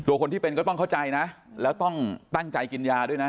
คนที่เป็นก็ต้องเข้าใจนะแล้วต้องตั้งใจกินยาด้วยนะ